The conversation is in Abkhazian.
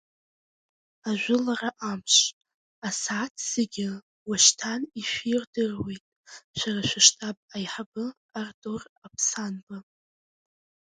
Ажәылара амш, асааҭ зегьы уашьҭан ишәирдыруеит шәара шәыштаб аиҳабы Артур Аԥсанба.